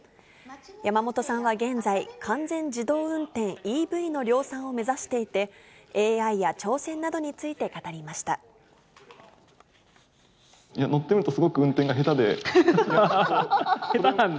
山本さんは現在、完全自動運転、ＥＶの量産を目指していて、ＡＩや挑戦などについ乗ってるとすごく運転が下手下手なんだ。